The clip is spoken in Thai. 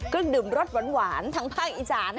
เครื่องดื่มรสหวานทางภาคอีสาน